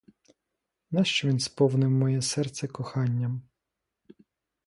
Нащо він сповнив моє серце коханням?